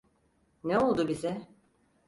Ne oldu bize?